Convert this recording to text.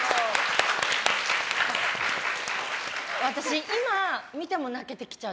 私、今見ても泣けてきちゃう。